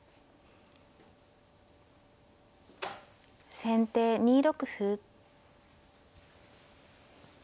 先手２六歩。